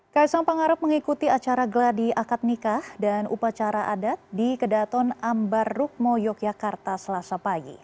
kaisang pangarep mengikuti acara geladi akad nikah dan upacara adat di kedaton ambar rukmo yogyakarta selasa pagi